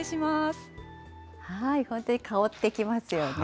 本当に香ってきますよね。